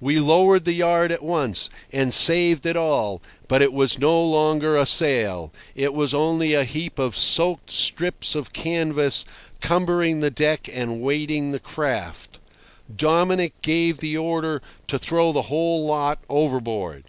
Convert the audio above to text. We lowered the yard at once, and saved it all, but it was no longer a sail; it was only a heap of soaked strips of canvas cumbering the deck and weighting the craft. Dominic gave the order to throw the whole lot overboard.